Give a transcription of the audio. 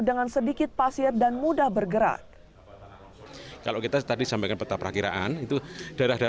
dengan sedikit pasir dan mudah bergerak